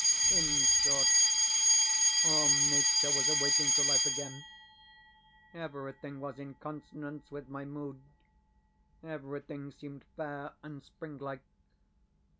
In short, all nature was awaking to life again. Everything was in consonance with my mood; everything seemed fair and spring like.